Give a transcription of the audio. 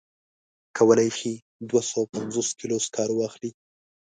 کولای شي دوه سوه پنځوس کیلو سکاره واخلي.